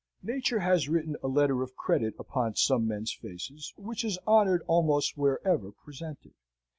Nature has written a letter of credit upon some men's faces, which is honoured almost wherever presented.